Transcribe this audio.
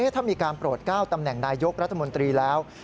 ถ้ามีการโปรด๙ตำแหน่งนายยกรัฐมนตรีแล้ว